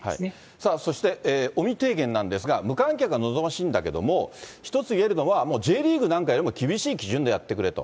さあそして、尾身提言なんですが、無観客が望ましいんだけども、一つ言えるのはもうＪリーグなんかよりも、厳しい基準でやってくれと。